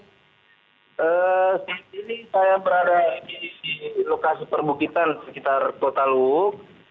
saat ini saya berada di lokasi perbukitan sekitar kota luwuk